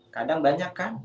kadang banyak kan